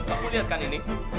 aku lihat kan ini